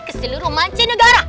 ke seluruh mancanegara